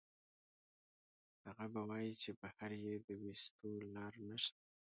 هغه به وائي چې بهر ئې د ويستو لار نشته